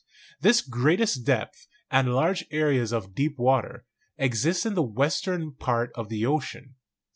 This greatest depth, and large areas of deep water, exist in the western part of the ocean.